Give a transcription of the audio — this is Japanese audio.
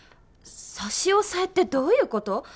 差し押さえってどういうこと？